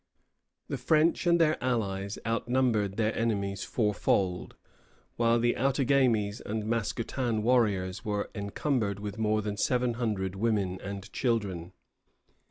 The French and their allies outnumbered their enemies fourfold, while the Outagamie and Mascoutin warriors were encumbered with more than seven hundred women and children.